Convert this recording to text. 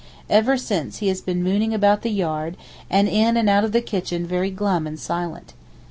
Ever since he has been mooning about the yard and in and out of the kitchen very glum and silent.